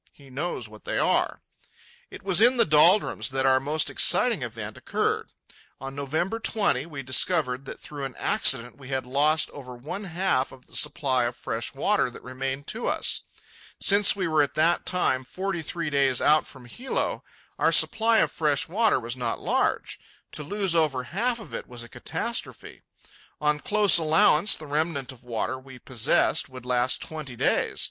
He knows what they are. It was in the doldrums that our most exciting event occurred. On November 20, we discovered that through an accident we had lost over one half of the supply of fresh water that remained to us. Since we were at that time forty three days out from Hilo, our supply of fresh water was not large. To lose over half of it was a catastrophe. On close allowance, the remnant of water we possessed would last twenty days.